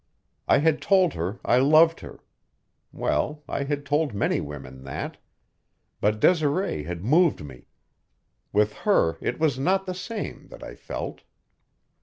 I had told her I loved her; well, I had told many women that. But Desiree had moved me; with her it was not the same that I felt.